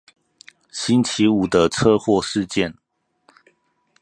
星期五的車禍事件